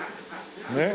ねっ？